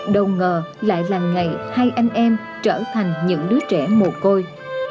đầu ngờ lại là ngày hai anh em trở thành những đứa trẻ mồ côi